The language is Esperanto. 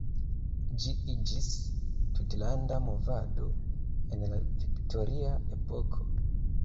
Ĝi iĝis tutlanda movado en la Viktoria epoko.